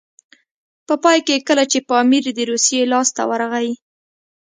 په پای کې کله چې پامیر د روسیې لاسته ورغی.